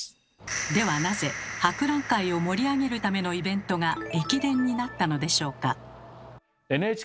ではなぜ博覧会を盛り上げるためのイベントが駅伝になったのでしょうか？